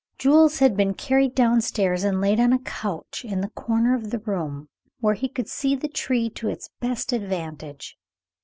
Jules had been carried down stairs and laid on a couch in the corner of the room where he could see the tree to its best advantage.